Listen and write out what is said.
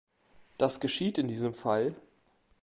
Das geschieht in diesem Fall.